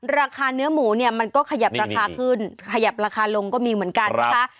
ราคาเนื้อหมูเนี่ยมันก็ขยับราคาขึ้นขยับราคาลงก็มีเหมือนกันนะคะ